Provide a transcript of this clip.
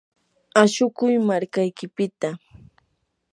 ashukuy markaykipita.